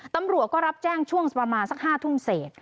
ตำรวจก็รับแจ้งช่วงประมาณสัก๕ทุ่มเศษ